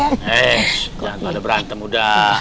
jangan ada berantem udah